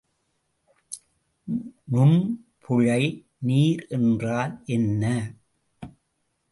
நுண்புழை நீர் என்றால் என்ன?